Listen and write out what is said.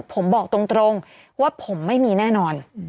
ผมบอกตรงว่าผมไม่มีแน่นอน